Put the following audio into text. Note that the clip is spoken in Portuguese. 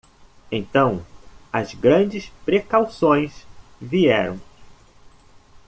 Então as grandes precauções vieram.